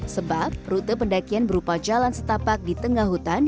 sebab rute pendakian berupa jalan setapak di tengah hutan